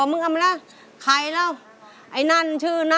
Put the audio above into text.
รับแล้วค่ะ๒หมื่น